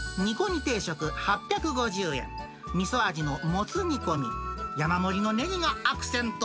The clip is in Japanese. １杯、２杯、そして３杯。煮込み定食８５０円、みそ味のもつ煮込み、山盛りのねぎがアクセント。